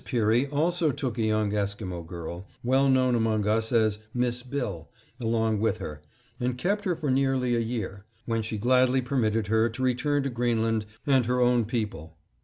Peary also took a young Esquimo girl, well known among us as "Miss Bill," along with her, and kept her for nearly a year, when she gladly permitted her to return to Greenland and her own people.